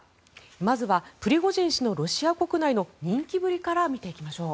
まずはプリゴジン氏のロシア国内の人気ぶりから見ていきましょう。